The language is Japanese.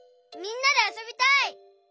みんなであそびたい！